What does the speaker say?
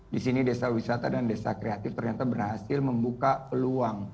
di sini desa wisata dan desa kreatif ternyata berhasil membuka peluang